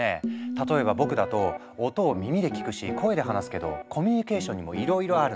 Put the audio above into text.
例えば僕だと音を耳で聞くし声で話すけどコミュニケーションにもいろいろあるんだ。